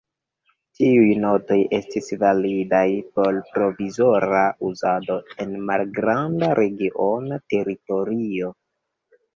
Tiuj notoj estis validaj por provizora uzado en malgranda regiona teritorio.